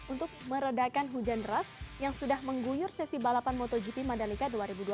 untuk meredakan hujan deras yang sudah mengguyur sesi balapan motogp mandalika dua ribu dua puluh